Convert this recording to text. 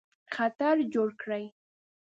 خطر جوړ کړي.